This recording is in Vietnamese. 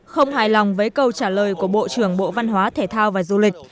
không hài lòng với câu trả lời của bộ trưởng bộ văn hóa thể thao và du lịch